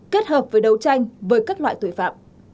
kết hợp với đấu tranh với các loại tội phạm